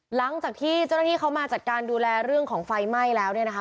หลังจากที่เจ้าหน้าที่เขามาจัดการดูแลเรื่องของไฟไหม้แล้วเนี่ยนะคะ